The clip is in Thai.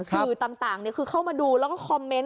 สื่อต่างคือเข้ามาดูแล้วก็คอมเมนต์